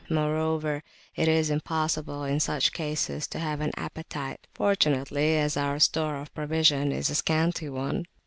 Moreover, it is impossible in such cases to have an appetite fortunately, as our store of provisions is a scanty one.